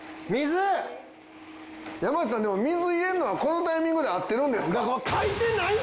山内さんでも水入れるのはこのタイミングで合ってるんですか？